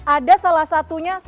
ada salah satunya